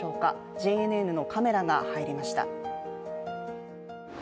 ＪＮＮのカメラが入りました。